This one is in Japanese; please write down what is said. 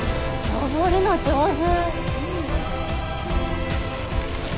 登るの上手！